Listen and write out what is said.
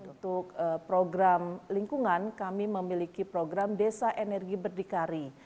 untuk program lingkungan kami memiliki program desa energi berdikari